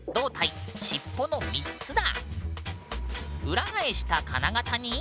裏返した金型に。